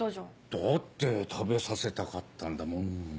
だって食べさせたかったんだもん。